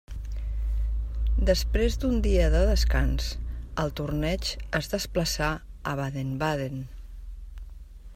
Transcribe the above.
Després d'un dia de descans, el torneig es desplaçà a Baden-Baden.